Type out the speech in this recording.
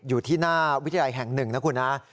อยู่ที่หน้าวิทยาลัยแห่ง๑นะครับ